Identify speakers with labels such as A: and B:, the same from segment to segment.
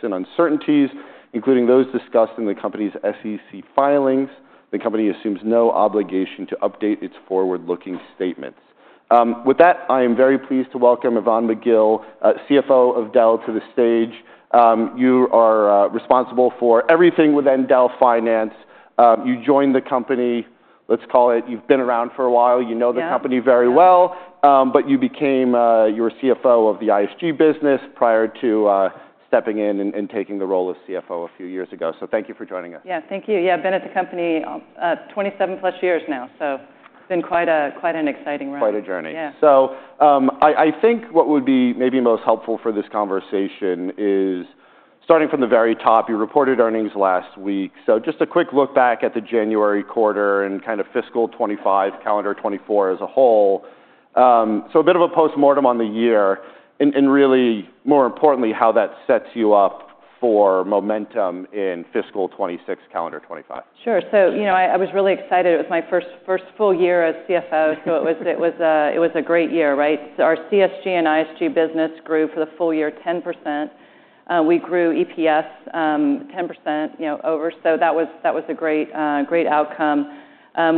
A: Risks and uncertainties, including those discussed in the company's SEC filings. The company assumes no obligation to update its forward-looking statements. With that, I am very pleased to welcome Yvonne McGill, CFO of Dell, to the stage. You are responsible for everything within Dell Finance. You joined the company, let's call it, you've been around for a while, you know the company very well, but you became the CFO of the ISG business prior to stepping in and taking the role of CFO a few years ago. So thank you for joining us.
B: Yeah, thank you. Yeah, I've been at the company 27-plus years now, so it's been quite an exciting run.
A: Quite a journey. So I think what would be maybe most helpful for this conversation is starting from the very top, you reported earnings last week. So just a quick look back at the January quarter and kind of Fiscal 2025, Calendar 2024 as a whole. So a bit of a postmortem on the year and really, more importantly, how that sets you up for momentum in Fiscal 2026, Calendar 2025.
B: Sure. So I was really excited. It was my first full year as CFO, so it was a great year, right? So our CSG and ISG business grew for the full year 10%. We grew EPS 10% over, so that was a great outcome.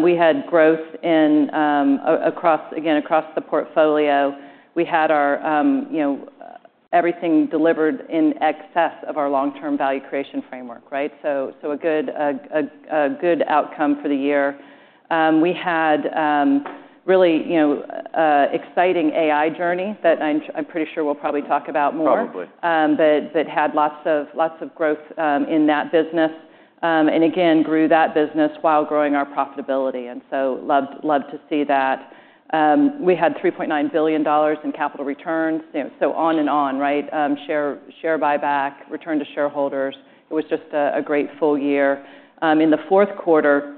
B: We had growth across, again, across the portfolio. We had everything delivered in excess of our long-term value creation framework, right? So a good outcome for the year. We had really exciting AI journey that I'm pretty sure we'll probably talk about more.
A: Probably.
B: But had lots of growth in that business and again, grew that business while growing our profitability. And so loved to see that. We had $3.9 billion in capital returns, so on and on, right? Share buyback, return to shareholders. It was just a great full year. In the fourth quarter,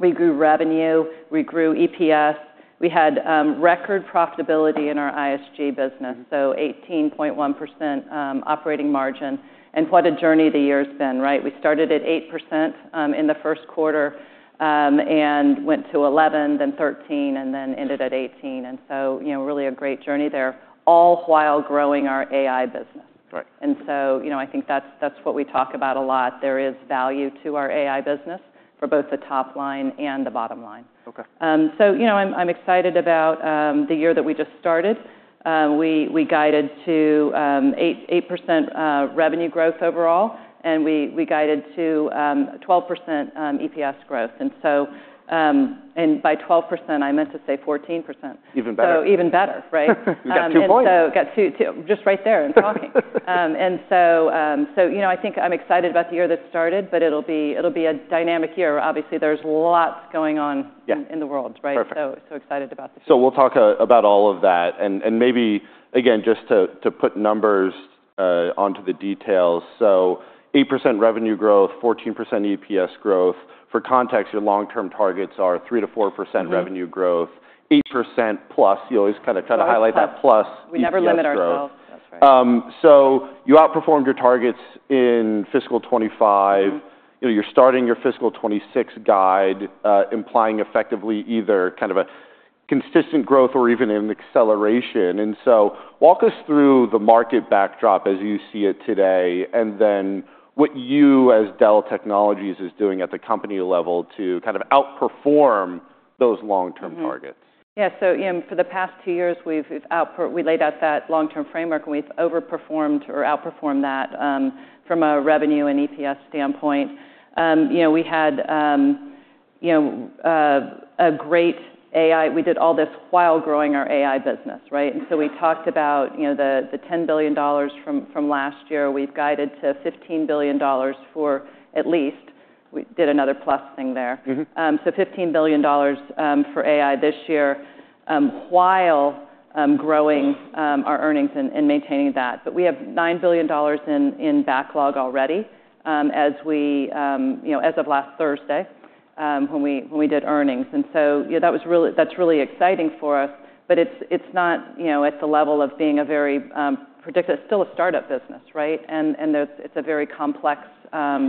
B: we grew revenue, we grew EPS, we had record profitability in our ISG business, so 18.1% operating margin. And what a journey the year has been, right? We started at 8% in the first quarter and went to 11%, then 13%, and then ended at 18%. And so really a great journey there, all while growing our AI business. And so I think that's what we talk about a lot. There is value to our AI business for both the top line and the bottom line. So I'm excited about the year that we just started. We guided to 8% revenue growth overall, and we guided to 12% EPS growth, and by 12%, I meant to say 14%.
A: Even better.
B: So even better, right?
A: You got two points.
B: So, just right there and talking. And so, I think I'm excited about the year that started, but it'll be a dynamic year. Obviously, there's lots going on in the world, right?
A: Perfect.
B: So excited about the future.
A: So we'll talk about all of that. And maybe, again, just to put numbers onto the details, so 8% revenue growth, 14% EPS growth. For context, your long-term targets are 3%-4% revenue growth, 8% plus. You always kind of try to highlight that plus.
B: We never limit ourselves.
A: That's right. So you outperformed your targets in Fiscal 2025. You're starting your Fiscal 2026 guide, implying effectively either kind of a consistent growth or even an acceleration. And so walk us through the market backdrop as you see it today and then what you as Dell Technologies is doing at the company level to kind of outperform those long-term targets.
B: Yeah. So for the past two years, we laid out that long-term framework and we've overperformed or outperformed that from a revenue and EPS standpoint. We had a great year. We did all this while growing our AI business, right? And so we talked about the $10 billion from last year. We've guided to $15 billion for FY25. That's 50% growth from our previous guide. So $15 billion for AI this year while growing our earnings and maintaining that. But we have $9 billion in backlog already as of last Thursday when we did earnings. And so that's really exciting for us, but it's not at the level of being very predictable. It's still a startup business, right? And it's a very complex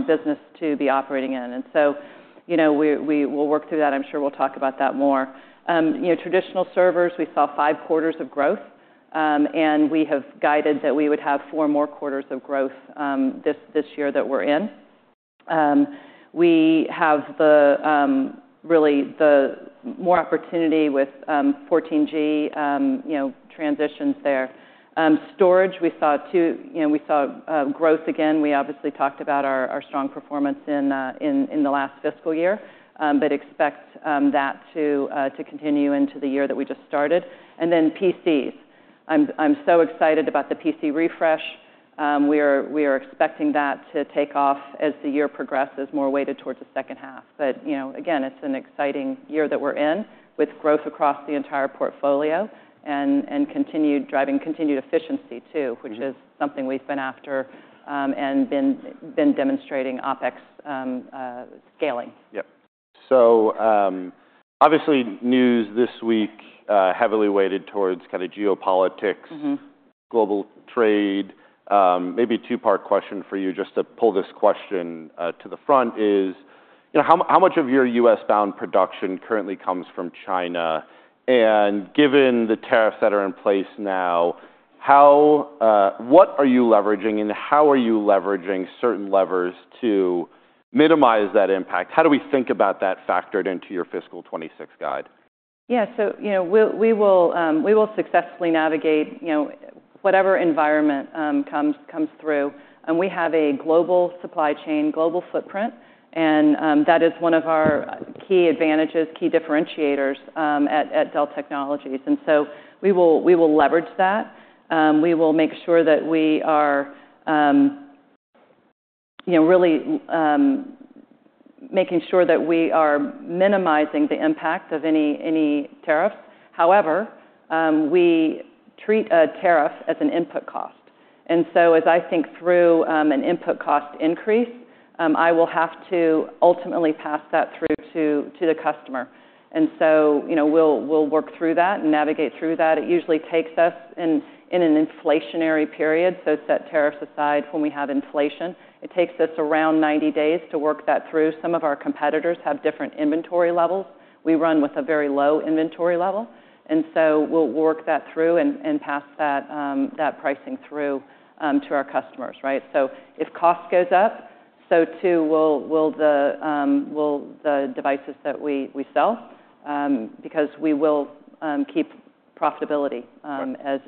B: business to be operating in. And so we'll work through that. I'm sure we'll talk about that more. Traditional servers, we saw five quarters of growth, and we have guided that we would have four more quarters of growth this year that we're in. We have really more opportunity with 14G transitions there. Storage, we saw growth again. We obviously talked about our strong performance in the last fiscal year, but expect that to continue into the year that we just started. And then PCs, I'm so excited about the PC refresh. We are expecting that to take off as the year progresses, more weighted towards the second half. But again, it's an exciting year that we're in with growth across the entire portfolio and continued efficiency too, which is something we've been after and been demonstrating OpEx scaling.
A: Yep. So obviously news this week heavily weighted towards kind of geopolitics, global trade. Maybe a two-part question for you, just to pull this question to the front is how much of your U.S.-bound production currently comes from China? And given the tariffs that are in place now, what are you leveraging and how are you leveraging certain levers to minimize that impact? How do we think about that factored into your Fiscal 2026 guide?
B: Yeah, so we will successfully navigate whatever environment comes through. We have a global supply chain, global footprint, and that is one of our key advantages, key differentiators at Dell Technologies, and so we will leverage that. We will make sure that we are really making sure that we are minimizing the impact of any tariffs. However, we treat a tariff as an input cost, and so as I think through an input cost increase, I will have to ultimately pass that through to the customer, and so we'll work through that and navigate through that. It usually takes us in an inflationary period, so, set tariffs aside when we have inflation. It takes us around 90 days to work that through. Some of our competitors have different inventory levels. We run with a very low inventory level. We'll work that through and pass that pricing through to our customers, right? If cost goes up, so too will the devices that we sell because we will keep profitability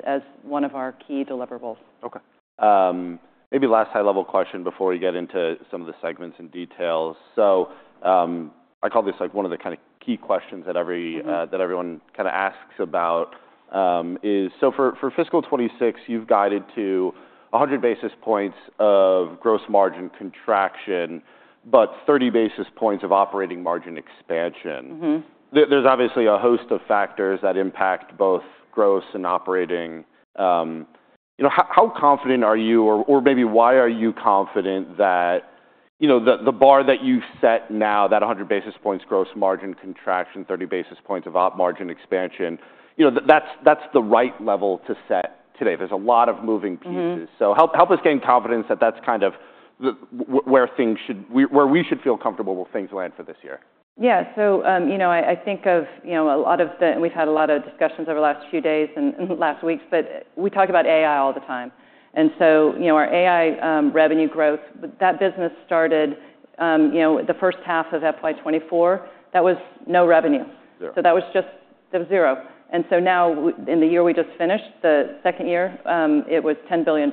B: as one of our key deliverables.
A: Okay. Maybe last high-level question before we get into some of the segments and details. So I call this one of the kind of key questions that everyone kind of asks about is, so for Fiscal 2026, you've guided to 100 basis points of gross margin contraction, but 30 basis points of operating margin expansion. There's obviously a host of factors that impact both gross and operating. How confident are you, or maybe why are you confident that the bar that you set now, that 100 basis points gross margin contraction, 30 basis points of op margin expansion, that's the right level to set today? There's a lot of moving pieces. So help us gain confidence that that's kind of where we should feel comfortable with things land for this year.
B: Yeah, so I think of a lot of the, and we've had a lot of discussions over the last few days and last weeks, but we talk about AI all the time. And so our AI revenue growth, that business started the first half of FY 2024, that was no revenue. So that was just zero. And so now in the year we just finished, the second year, it was $10 billion,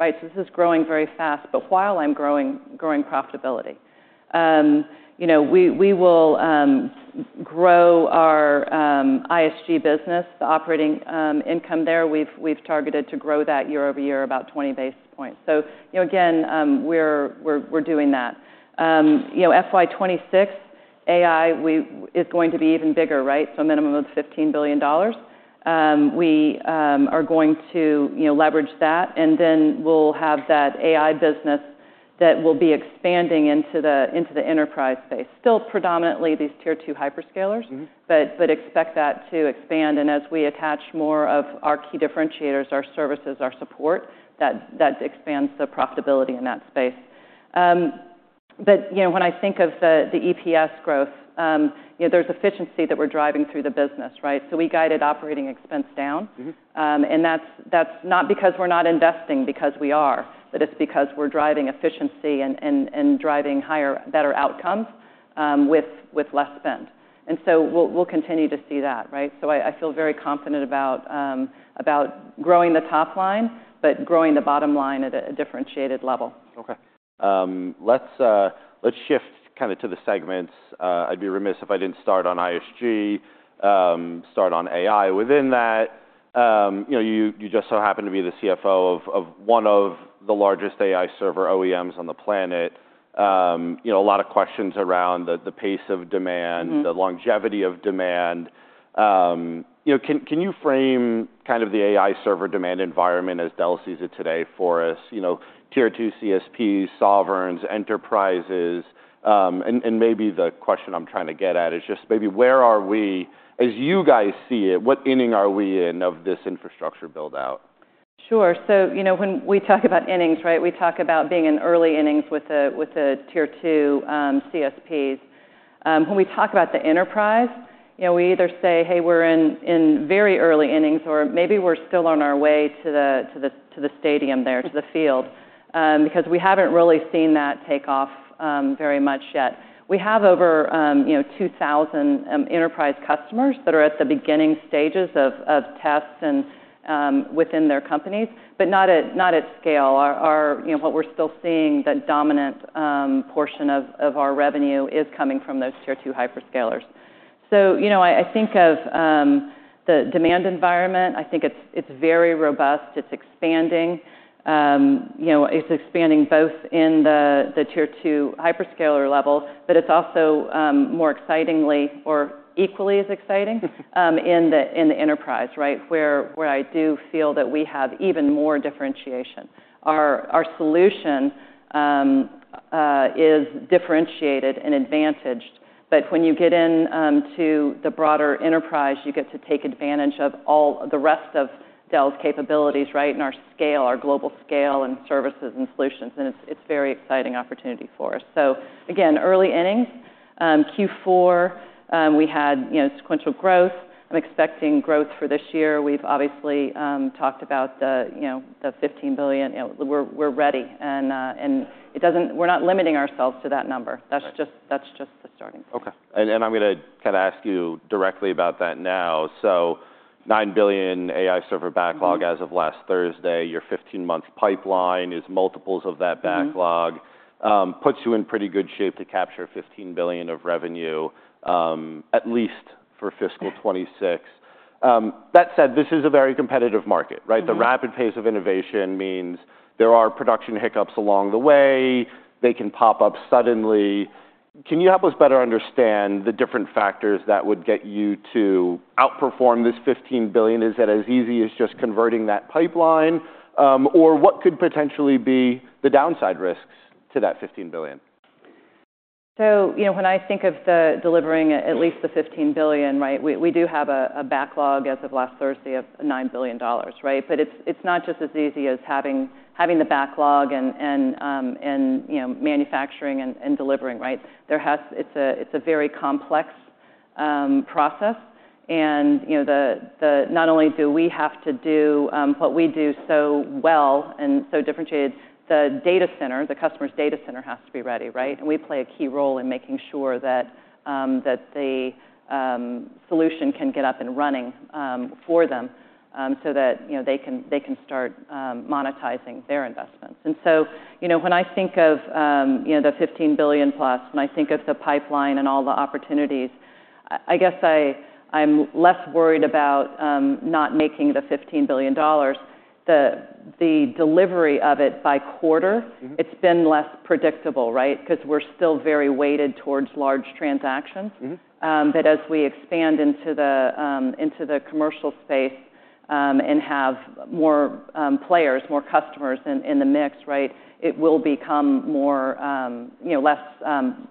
B: right? So this is growing very fast, but while I'm growing profitability. We will grow our ISG business, the operating income there. We've targeted to grow that year-over-year about 20 basis points. So again, we're doing that. FY 2026, AI is going to be even bigger, right? So a minimum of $15 billion. We are going to leverage that, and then we'll have that AI business that will be expanding into the enterprise space. Still predominantly these Tier 2 hyperscalers, but expect that to expand. And as we attach more of our key differentiators, our services, our support, that expands the profitability in that space. But when I think of the EPS growth, there's efficiency that we're driving through the business, right? So we guided operating expense down. And that's not because we're not investing, because we are, but it's because we're driving efficiency and driving higher, better outcomes with less spend. And so we'll continue to see that, right? So I feel very confident about growing the top line, but growing the bottom line at a differentiated level.
A: Okay. Let's shift kind of to the segments. I'd be remiss if I didn't start on ISG, start on AI. Within that, you just so happen to be the CFO of one of the largest AI server OEMs on the planet. A lot of questions around the pace of demand, the longevity of demand. Can you frame kind of the AI server demand environment as Dell sees it today for us? Tier 2 CSPs, sovereigns, enterprises, and maybe the question I'm trying to get at is just maybe where are we, as you guys see it, what inning are we in of this infrastructure build-out?
B: Sure. So when we talk about innings, right, we talk about being in early innings with the Tier 2 CSPs. When we talk about the enterprise, we either say, "Hey, we're in very early innings," or maybe we're still on our way to the stadium there, to the field, because we haven't really seen that take off very much yet. We have over 2,000 enterprise customers that are at the beginning stages of tests within their companies, but not at scale. What we're still seeing, the dominant portion of our revenue is coming from those Tier 2 hyperscalers. So I think of the demand environment. I think it's very robust. It's expanding. It's expanding both in the Tier 2 hyperscaler level, but it's also more excitingly or equally as exciting in the enterprise, right, where I do feel that we have even more differentiation. Our solution is differentiated and advantaged, but when you get into the broader enterprise, you get to take advantage of all the rest of Dell's capabilities, right, and our scale, our global scale and services and solutions. And it's a very exciting opportunity for us. So again, early innings, Q4, we had sequential growth. I'm expecting growth for this year. We've obviously talked about the $15 billion. We're ready. And we're not limiting ourselves to that number. That's just the starting point.
A: Okay. And I'm going to kind of ask you directly about that now. So $9 billion AI server backlog as of last Thursday, your 15-month pipeline is multiples of that backlog, puts you in pretty good shape to capture $15 billion of revenue, at least for Fiscal 2026. That said, this is a very competitive market, right? The rapid pace of innovation means there are production hiccups along the way. They can pop up suddenly. Can you help us better understand the different factors that would get you to outperform this $15 billion? Is it as easy as just converting that pipeline, or what could potentially be the downside risks to that $15 billion?
B: So when I think of delivering at least the $15 billion, right, we do have a backlog as of last Thursday of $9 billion, right? But it's not just as easy as having the backlog and manufacturing and delivering, right? It's a very complex process. And not only do we have to do what we do so well and so differentiated, the data center, the customer's data center has to be ready, right? And we play a key role in making sure that the solution can get up and running for them so that they can start monetizing their investments. And so when I think of the $15 billion plus, when I think of the pipeline and all the opportunities, I guess I'm less worried about not making the $15 billion. The delivery of it by quarter, it's been less predictable, right? Because we're still very weighted towards large transactions. But as we expand into the commercial space and have more players, more customers in the mix, right, it will become less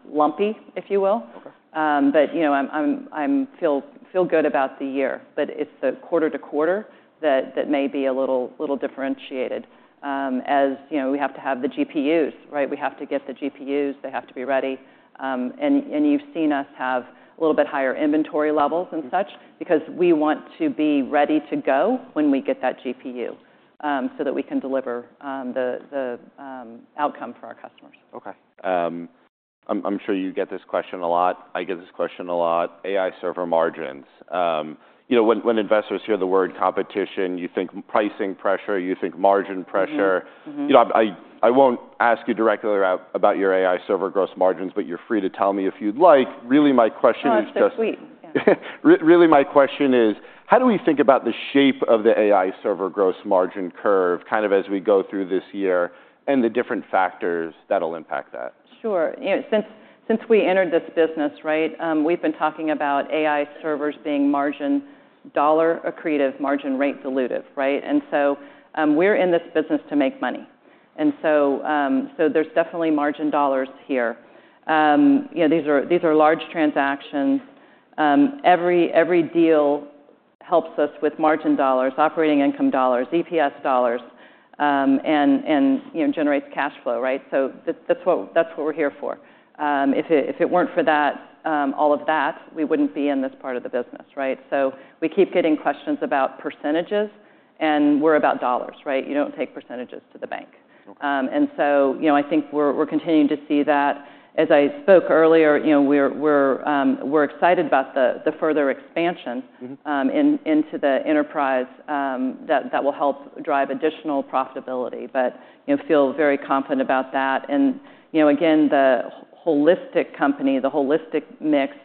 B: lumpy, if you will. But I feel good about the year, but it's the quarter to quarter that may be a little differentiated as we have to have the GPUs, right? We have to get the GPUs. They have to be ready. And you've seen us have a little bit higher inventory levels and such because we want to be ready to go when we get that GPU so that we can deliver the outcome for our customers.
A: Okay. I'm sure you get this question a lot. I get this question a lot. AI server margins. When investors hear the word competition, you think pricing pressure, you think margin pressure. I won't ask you directly about your AI server gross margins, but you're free to tell me if you'd like. Really, my question is just.
B: No, that's just Sweet.
A: Really, my question is, how do we think about the shape of the AI server gross margin curve kind of as we go through this year and the different factors that'll impact that?
B: Sure. Since we entered this business, right, we've been talking about AI servers being margin dollar accretive, margin rate dilutive, right? And so we're in this business to make money. And so there's definitely margin dollars here. These are large transactions. Every deal helps us with margin dollars, operating income dollars, EPS dollars, and generates cash flow, right? So that's what we're here for. If it weren't for all of that, we wouldn't be in this part of the business, right? So we keep getting questions about percentages, and we're about dollars, right? You don't take percentages to the bank. And so I think we're continuing to see that. As I spoke earlier, we're excited about the further expansion into the enterprise that will help drive additional profitability, but feel very confident about that. And again, the holistic company, the holistic mix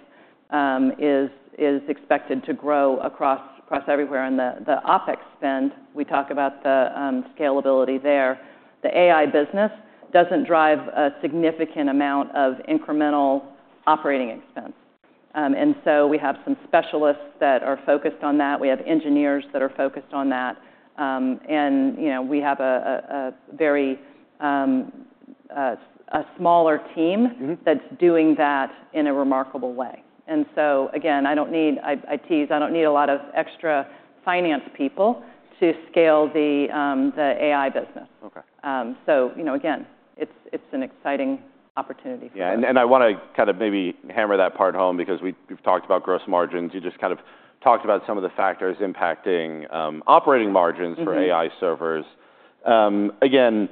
B: is expected to grow across everywhere. And the OpEx spend, we talk about the scalability there. The AI business doesn't drive a significant amount of incremental operating expense. And so we have some specialists that are focused on that. We have engineers that are focused on that. And we have a smaller team that's doing that in a remarkable way. And so again, I don't need, I tease, I don't need a lot of extra finance people to scale the AI business. So again, it's an exciting opportunity for us.
A: Yeah. And I want to kind of maybe hammer that part home because we've talked about gross margins. You just kind of talked about some of the factors impacting operating margins for AI servers. Again,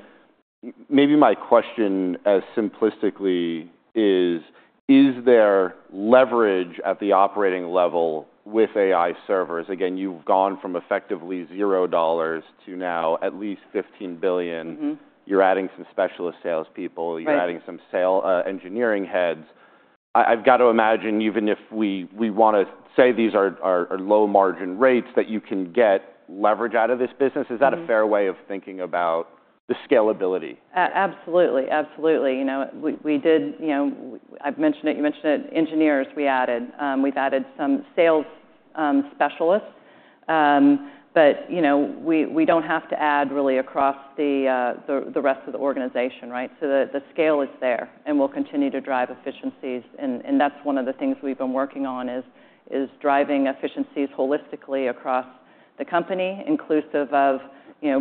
A: maybe my question as simplistically is, is there leverage at the operating level with AI servers? Again, you've gone from effectively $0 to now at least $15 billion. You're adding some specialist salespeople. You're adding some engineering heads. I've got to imagine even if we want to say these are low margin rates that you can get leverage out of this business, is that a fair way of thinking about the scalability?
B: Absolutely. Absolutely. I've mentioned it. You mentioned it. Engineers, we added. We've added some sales specialists, but we don't have to add really across the rest of the organization, right? So the scale is there and we'll continue to drive efficiencies. And that's one of the things we've been working on is driving efficiencies holistically across the company, inclusive of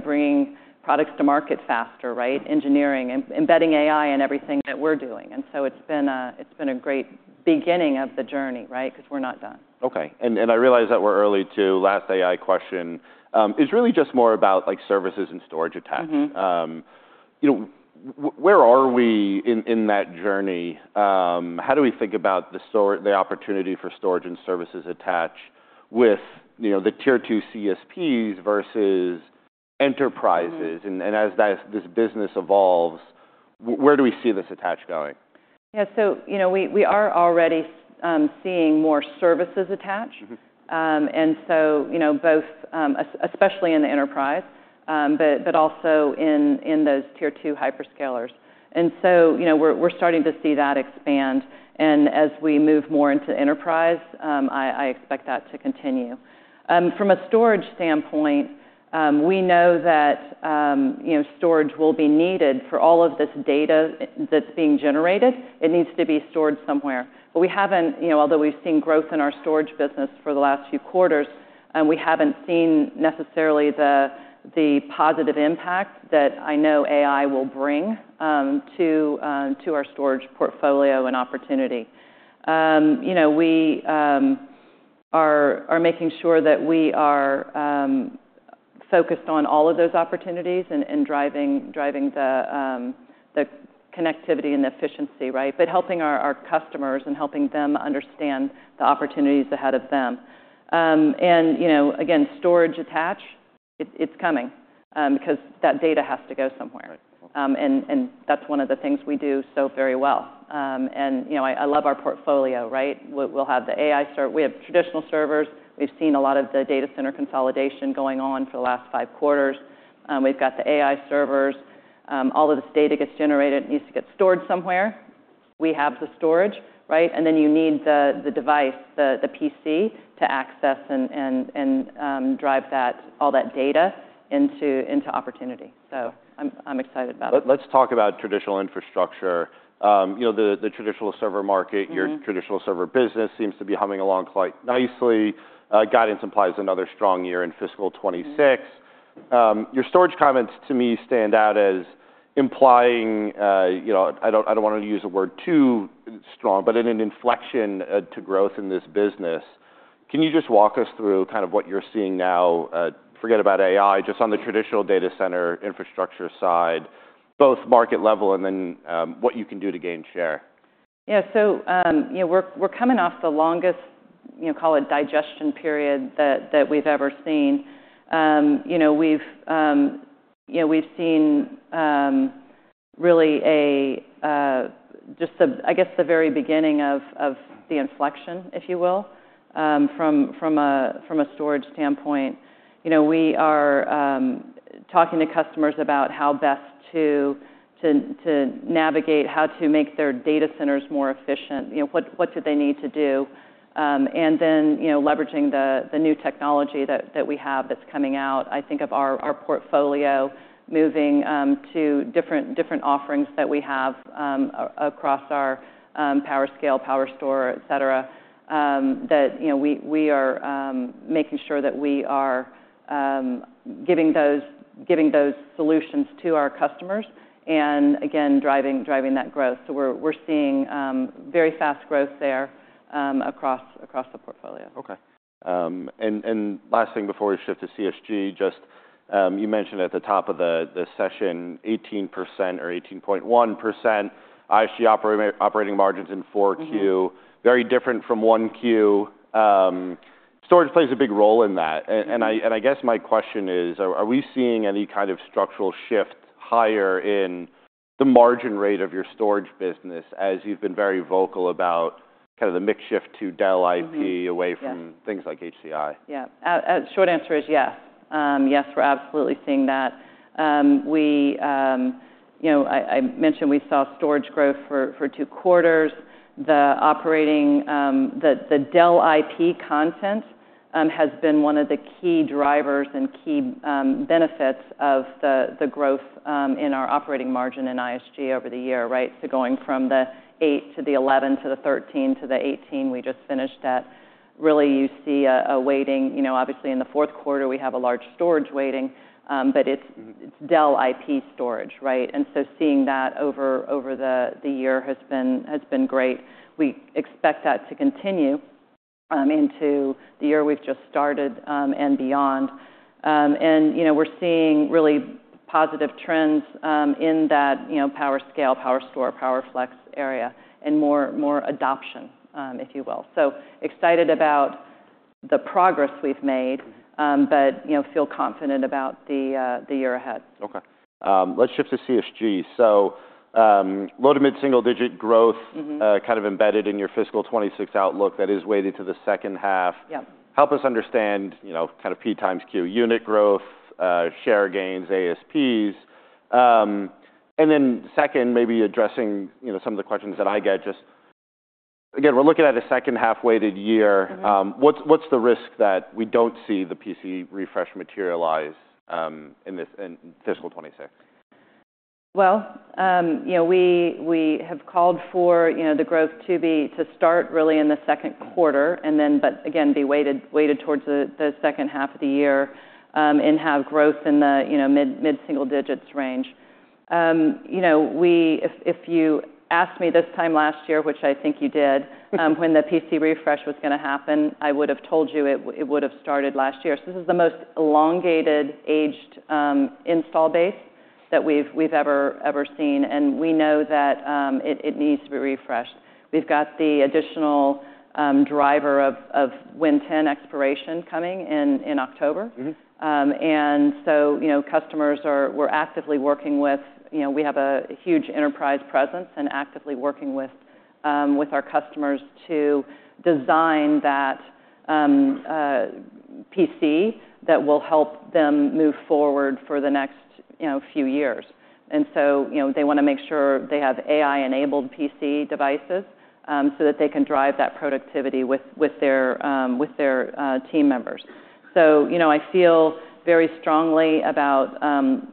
B: bringing products to market faster, right? Engineering, embedding AI in everything that we're doing. And so it's been a great beginning of the journey, right? Because we're not done.
A: Okay, and I realize that we're early to last AI question. It's really just more about services and storage attached. Where are we in that journey? How do we think about the opportunity for storage and services attached with the Tier 2 CSPs versus enterprises? And as this business evolves, where do we see this attached going?
B: Yeah. So we are already seeing more services attached. And so both, especially in the enterprise, but also in those Tier 2 hyperscalers. And so we're starting to see that expand. And as we move more into enterprise, I expect that to continue. From a storage standpoint, we know that storage will be needed for all of this data that's being generated. It needs to be stored somewhere. But although we've seen growth in our storage business for the last few quarters, we haven't seen necessarily the positive impact that I know AI will bring to our storage portfolio and opportunity. We are making sure that we are focused on all of those opportunities and driving the connectivity and the efficiency, right? But helping our customers and helping them understand the opportunities ahead of them. And again, storage attached, it's coming because that data has to go somewhere. And that's one of the things we do so very well. And I love our portfolio, right? We'll have the AI server. We have traditional servers. We've seen a lot of the data center consolidation going on for the last five quarters. We've got the AI servers. All of this data gets generated, needs to get stored somewhere. We have the storage, right? And then you need the device, the PC to access and drive all that data into opportunity. So I'm excited about it.
A: Let's talk about traditional infrastructure. The traditional server market, your traditional server business seems to be humming along quite nicely. Guidance implies another strong year in Fiscal 2026. Your storage comments to me stand out as implying, I don't want to use the word too strong, but in an inflection to growth in this business. Can you just walk us through kind of what you're seeing now? Forget about AI, just on the traditional data center infrastructure side, both market level and then what you can do to gain share.
B: Yeah. So we're coming off the longest, call it digestion period that we've ever seen. We've seen really just, I guess, the very beginning of the inflection, if you will, from a storage standpoint. We are talking to customers about how best to navigate, how to make their data centers more efficient, what do they need to do. And then leveraging the new technology that we have that's coming out, I think of our portfolio moving to different offerings that we have across our PowerScale, PowerStore, et cetera, that we are making sure that we are giving those solutions to our customers and again, driving that growth. So we're seeing very fast growth there across the portfolio.
A: Okay. And last thing before we shift to CSG, just you mentioned at the top of the session, 18% or 18.1% ISG operating margins in Q4, very different from Q1. Storage plays a big role in that. And I guess my question is, are we seeing any kind of structural shift higher in the margin rate of your storage business as you've been very vocal about kind of the mix shift to Dell IP away from things like HCI?
B: Yeah. Short answer is yes. Yes, we're absolutely seeing that. I mentioned we saw storage growth for two quarters. The Dell IP content has been one of the key drivers and key benefits of the growth in our operating margin in ISG over the year, right, so going from the eight to the 11 to the 13 to the 18, we just finished that. Really, you see a weighting, obviously in the fourth quarter, we have a large storage weighting, but it's Dell IP storage, right, and so seeing that over the year has been great. We expect that to continue into the year we've just started and beyond, and we're seeing really positive trends in that PowerScale, PowerStore, PowerFlex area and more adoption, if you will, so excited about the progress we've made, but feel confident about the year ahead.
A: Okay. Let's shift to CSG. Low to mid single digit growth kind of embedded in your Fiscal 2026 outlook that is weighted to the second half. Help us understand kind of P times Q unit growth, share gains, ASPs. Second, maybe addressing some of the questions that I get, just again, we're looking at a second half weighted year. What's the risk that we don't see the PC refresh materialize in Fiscal 2026?
B: We have called for the growth to start really in the second quarter and then, but again, be weighted towards the second half of the year and have growth in the mid-single-digits range. If you asked me this time last year, which I think you did, when the PC refresh was going to happen, I would have told you it would have started last year. This is the most elongated, aged installed base that we've ever seen. We know that it needs to be refreshed. We've got the additional driver of Win 10 expiration coming in October. Customers were actively working with us. We have a huge enterprise presence and are actively working with our customers to design that PC that will help them move forward for the next few years. They want to make sure they have AI enabled PC devices so that they can drive that productivity with their team members. So I feel very strongly about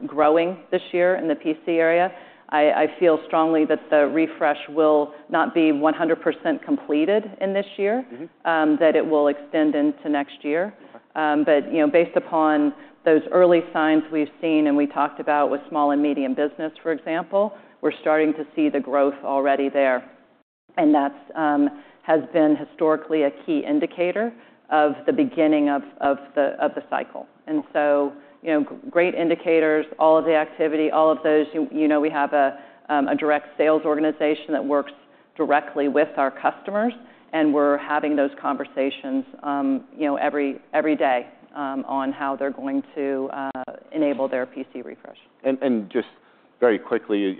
B: growing this year in the PC area. I feel strongly that the refresh will not be 100% completed in this year, that it will extend into next year. But based upon those early signs we've seen and we talked about with small and medium business, for example, we're starting to see the growth already there. And that has been historically a key indicator of the beginning of the cycle. And so great indicators, all of the activity, all of those. We have a direct sales organization that works directly with our customers. And we're having those conversations every day on how they're going to enable their PC refresh.
A: And just very quickly,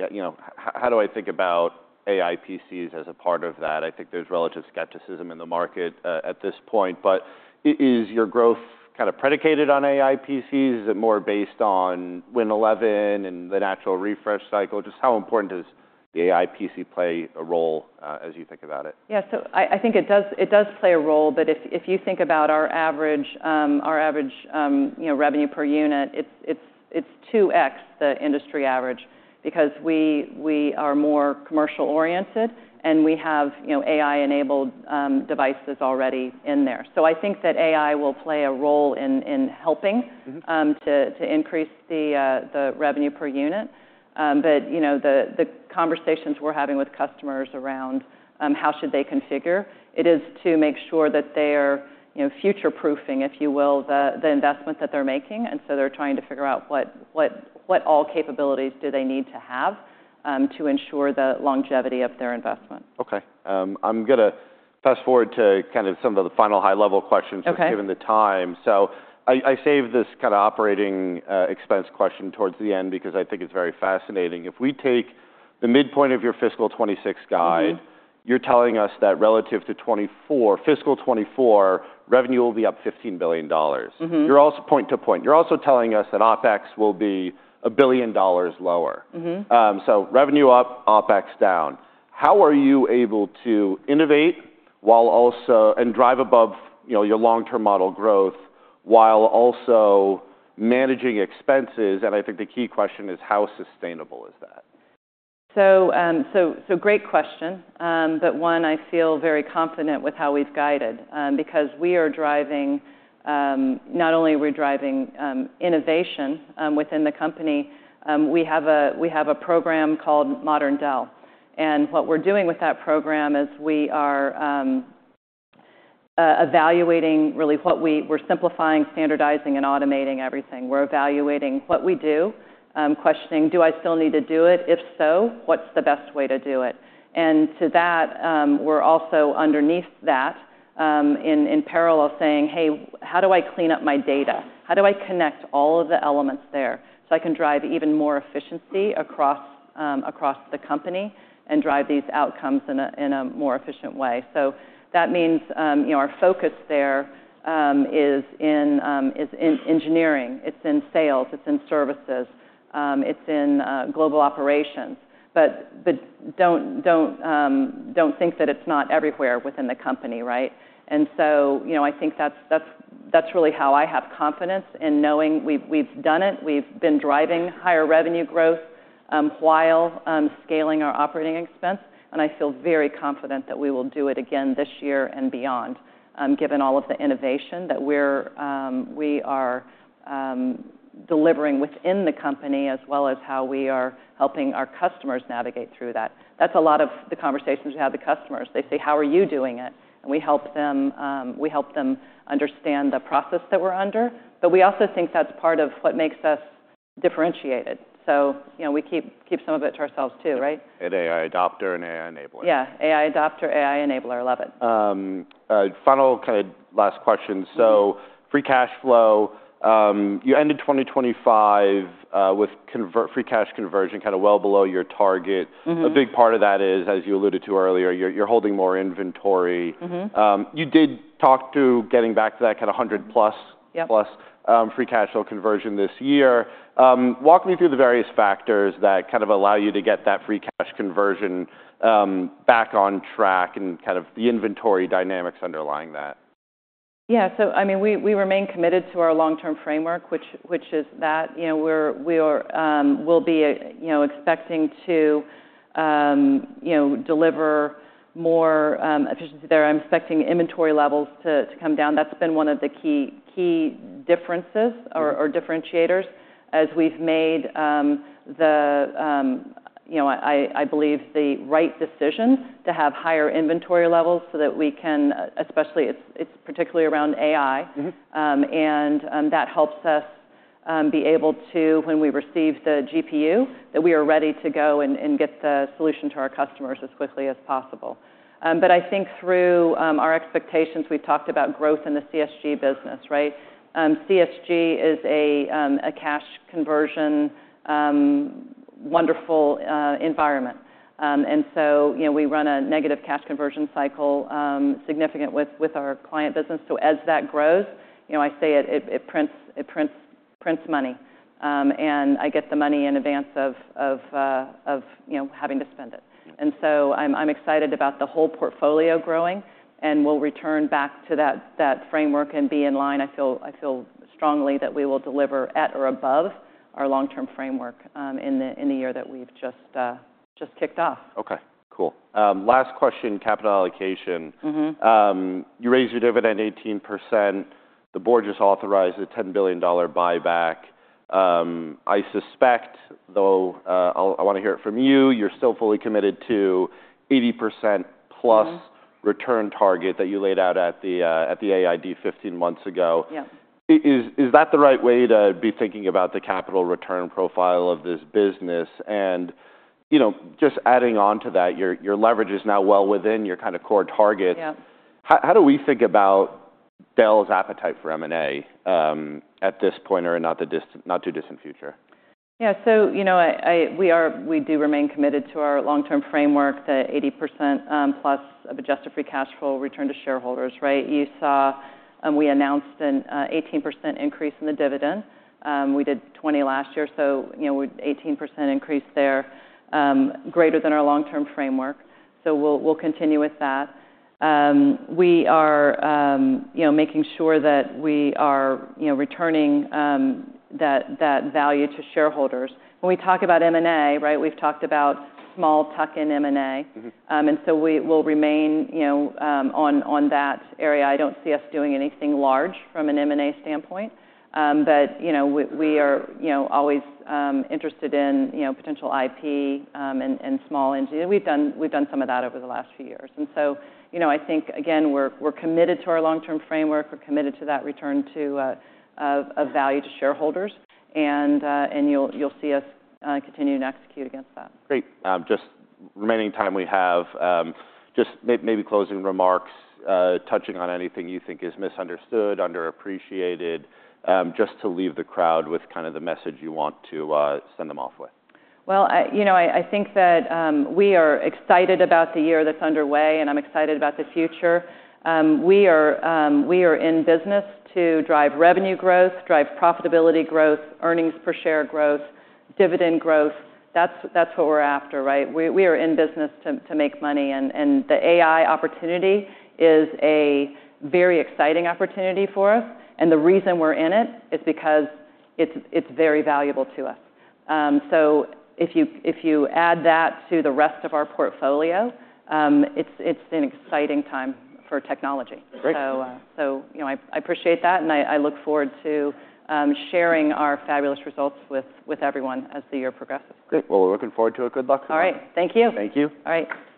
A: how do I think about AI PCs as a part of that? I think there's relative skepticism in the market at this point, but is your growth kind of predicated on AI PCs? Is it more based on Windows 11 and the natural refresh cycle? Just how important does the AI PC play a role as you think about it?
B: Yeah. So I think it does play a role, but if you think about our average revenue per unit, it's 2X the industry average because we are more commercial oriented and we have AI-enabled devices already in there. So I think that AI will play a role in helping to increase the revenue per unit. But the conversations we're having with customers around how should they configure, it is to make sure that they are future-proofing, if you will, the investment that they're making. And so they're trying to figure out what all capabilities do they need to have to ensure the longevity of their investment.
A: Okay. I'm going to fast forward to kind of some of the final high level questions given the time. So I saved this kind of operating expense question towards the end because I think it's very fascinating. If we take the midpoint of your Fiscal 2026 guide, you're telling us that relative to Fiscal 2024, revenue will be up $15 billion. You're also point to point. You're also telling us that OpEx will be $1 billion lower. So revenue up, OpEx down. How are you able to innovate and drive above your long-term model growth while also managing expenses? And I think the key question is how sustainable is that?
B: So, great question, but one I feel very confident with how we've guided because we are driving, not only are we driving innovation within the company. We have a program called Modern Dell. And what we're doing with that program is we are evaluating really what we're simplifying, standardizing, and automating everything. We're evaluating what we do, questioning, do I still need to do it? If so, what's the best way to do it? And to that, we're also underneath that in parallel saying, hey, how do I clean up my data? How do I connect all of the elements there so I can drive even more efficiency across the company and drive these outcomes in a more efficient way? So that means our focus there is in engineering. It's in sales. It's in services. It's in global operations. But don't think that it's not everywhere within the company, right? And so I think that's really how I have confidence in knowing we've done it. We've been driving higher revenue growth while scaling our operating expense. And I feel very confident that we will do it again this year and beyond, given all of the innovation that we are delivering within the company as well as how we are helping our customers navigate through that. That's a lot of the conversations we have with customers. They say, how are you doing it? And we help them understand the process that we're under. But we also think that's part of what makes us differentiated. So we keep some of it to ourselves too, right?
A: AI adopter and AI enabler.
B: Yeah. AI adopter, AI enabler, love it.
A: Final kind of last question. So free cash flow, you ended 2025 with free cash conversion kind of well below your target. A big part of that is, as you alluded to earlier, you're holding more inventory. You did talk to getting back to that kind of 100 plus free cash flow conversion this year. Walk me through the various factors that kind of allow you to get that free cash conversion back on track and kind of the inventory dynamics underlying that.
B: Yeah. So I mean, we remain committed to our long-term framework, which is that we will be expecting to deliver more efficiency there. I'm expecting inventory levels to come down. That's been one of the key differences or differentiators as we've made the, I believe, the right decision to have higher inventory levels so that we can, especially it's particularly around AI. And that helps us be able to, when we receive the GPU, that we are ready to go and get the solution to our customers as quickly as possible. But I think through our expectations, we've talked about growth in the CSG business, right? CSG is a cash conversion wonderful environment. And so we run a negative cash conversion cycle significant with our client business. So as that grows, I say it prints money. And I get the money in advance of having to spend it. And so I'm excited about the whole portfolio growing, and we'll return back to that framework and be in line. I feel strongly that we will deliver at or above our long-term framework in the year that we've just kicked off.
A: Okay. Cool. Last question, capital allocation. You raised your dividend 18%. The board just authorized a $10 billion buyback. I suspect though, I want to hear it from you, you're still fully committed to 80% plus return target that you laid out at the AID 15 months ago. Is that the right way to be thinking about the capital return profile of this business? And just adding on to that, your leverage is now well within your kind of core target. How do we think about Dell's appetite for M&A at this point or not too distant future?
B: Yeah. So we do remain committed to our long-term framework, the 80% plus of adjusted free cash flow return to shareholders, right? You saw we announced an 18% increase in the dividend. We did 20 last year. So 18% increase there, greater than our long-term framework. So we'll continue with that. We are making sure that we are returning that value to shareholders. When we talk about M&A, right, we've talked about small tuck-in M&A. And so we'll remain on that area. I don't see us doing anything large from an M&A standpoint, but we are always interested in potential IP and small engineering. We've done some of that over the last few years. And so I think, again, we're committed to our long-term framework. We're committed to that return of value to shareholders. And you'll see us continue to execute against that.
A: Great. Just remaining time we have, just maybe closing remarks, touching on anything you think is misunderstood, underappreciated, just to leave the crowd with kind of the message you want to send them off with.
B: Well, I think that we are excited about the year that's underway and I'm excited about the future. We are in business to drive revenue growth, drive profitability growth, earnings per share growth, dividend growth. That's what we're after, right? We are in business to make money. And the AI opportunity is a very exciting opportunity for us. And the reason we're in it is because it's very valuable to us. So if you add that to the rest of our portfolio, it's an exciting time for technology. So I appreciate that. And I look forward to sharing our fabulous results with everyone as the year progresses.
A: Great. Well, we're looking forward to it. Good luck.
B: All right. Thank you.
A: Thank you.
B: All right.